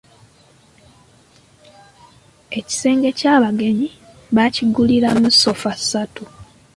Ekisenge eky'abagenyi baakiguliramu sofa satu.